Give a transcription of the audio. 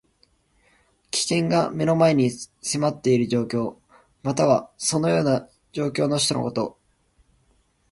危険が目の前に迫っている状況。または、そのような状況の人のこと。